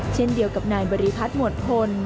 เช่นเดียวกับนายบริพัฒน์หมวดพล